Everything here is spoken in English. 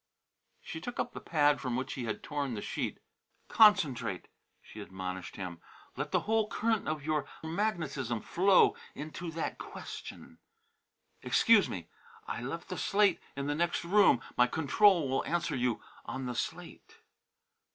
She took up the pad from which he had torn the sheet. "Concentrate," she admonished him. "Let the whole curnt of your magnetism flow into that question. Excuse me! I left the slate in the nex' room. My control will answer you on the slate."